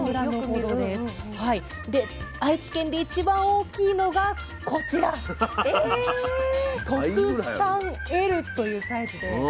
で愛知県で一番大きいのがこちら特３Ｌというサイズで。